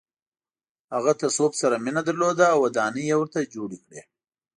هغه تصوف سره مینه درلوده او ودانۍ یې ورته جوړې کړې.